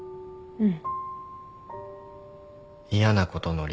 うん。